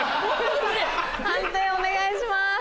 判定お願いします。